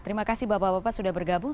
terima kasih bapak bapak sudah bergabung